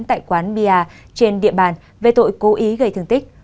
tại quán bia trên địa bàn về tội cố ý gây thương tích